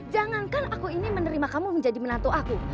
jangankan aku ini menerima kamu menjadi menantu aku